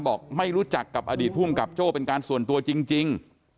บอกไม่รู้จักกับอดีตภูมิกับโจ้เป็นการส่วนตัวจริง